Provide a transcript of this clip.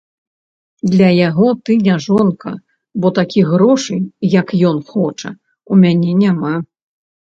Для яго ты не жонка, бо такіх грошай, як ён хоча, у мяне няма.